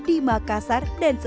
di makassar dan jawa tenggara